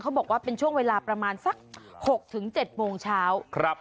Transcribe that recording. บอกว่าเป็นช่วงเวลาประมาณสัก๖๗โมงเช้า